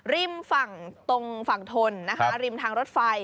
ริมฝั่งตรงฝั่งทนนะคะริมทางรถไฟ